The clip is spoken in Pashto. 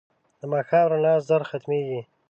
د ماښام رڼا ژر ختمېږي